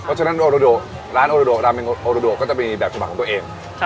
เพราะฉะนั้นโอโรโดร้านโอโรโดราเมงโอโรโดก็จะมีแบบสมัครของตัวเองใช่ครับ